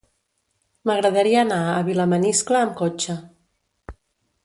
M'agradaria anar a Vilamaniscle amb cotxe.